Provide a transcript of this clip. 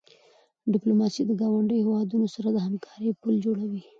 ډیپلوماسي د ګاونډیو هېوادونو سره د همکاری پل جوړوي.